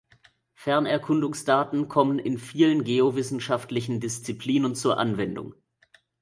Fernerkundungsdaten kommen in vielen geowissenschaftlichen Disziplinen zur Anwendung.